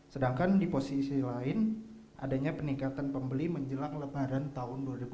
sedangkan di posisi lain adanya peningkatan pembeli menjelang lebaran tahun dua ribu dua puluh